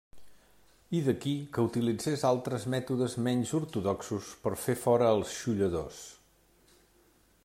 I d’aquí, que utilitzés altres mètodes menys ortodoxos per fer fora als xolladors.